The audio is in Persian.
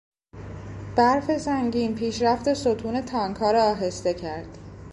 برف سنگین پیشرفت ستون تانکها را آهسته کرد.